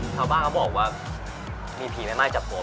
เขาบ้างเขาบอกว่ามีผีไม่ม่ายจับตัวไป